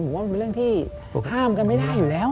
ผมว่ามันเป็นเรื่องที่ห้ามกันไม่ได้อยู่แล้ว